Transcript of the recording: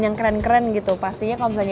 yang keren keren gitu pastinya kalau misalnya